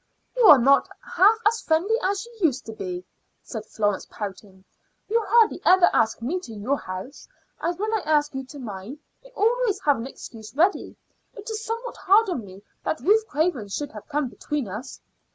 "You are not half as friendly as you used to be," said Florence, pouting. "You hardly ever ask me to your house, and when I ask you to mine you always have an excuse ready. It is somewhat hard on me that Ruth Craven should have come between us."